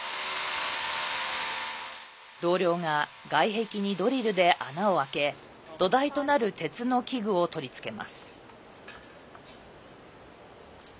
同僚が外壁にドリルで穴を開け土台となる鉄の器具を取り付けます。